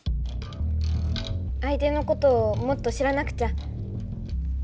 あいてのことをもっと知らなくちゃ。